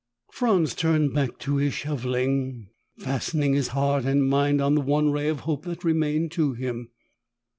Franz turned back to his shoveling, fastening his heart and mind on the one ray of hope that remained to him.